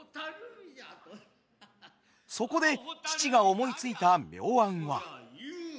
そこで父が思いついた妙案は。